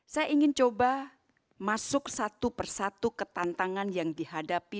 saya ingin coba masuk satu persatu ketantangan yang dihadapi